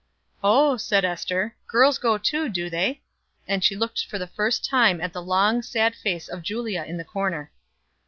"Oh," said Ester, "girls go, too, do they?" And she looked for the first time at the long, sad face of Julia in the corner.